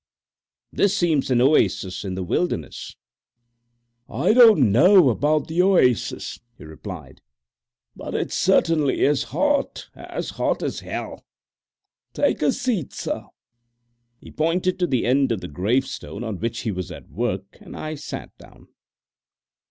"This seems an oasis in the wilderness." "I don't know about the oasis," he replied, "but it certainly is hot, as hot as hell. Take a seat, sir!" He pointed to the end of the gravestone on which he was at work, and I sat down.